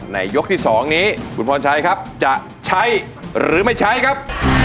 ยกที่๒นี้คุณพรชัยครับจะใช้หรือไม่ใช้ครับ